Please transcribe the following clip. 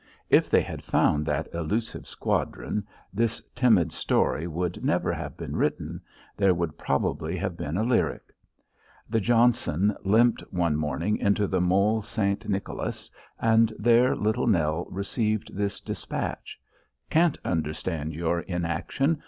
If they had found that elusive squadron this timid story would never have been written; there would probably have been a lyric. The Johnson limped one morning into the Mole St. Nicholas, and there Little Nell received this despatch: "Can't understand your inaction.